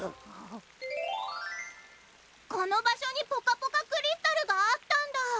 この場所にポカポカクリスタルがあったんだ！